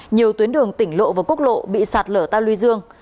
nhiều tuyến đường tỉnh lộ và quốc lộ bị sạt lở ta luy dương